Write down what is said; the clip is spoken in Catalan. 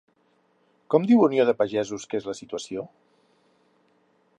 Com diu Unió de Pagesos que és la situació?